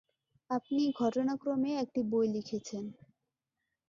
আপনি ঘটনাক্রমে একটি বই লিখেছেন।